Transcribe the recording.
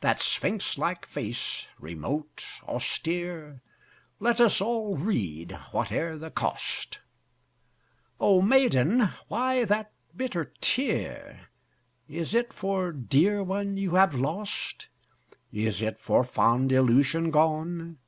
That sphinx like face, remote, austere, Let us all read, whate'er the cost: O Maiden! why that bitter tear? Is it for dear one you have lost? Is it for fond illusion gone?